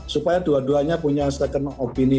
supaya dua duanya punya second opinion